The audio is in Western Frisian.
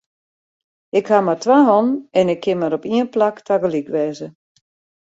Ik haw mar twa hannen en ik kin mar op ien plak tagelyk wêze.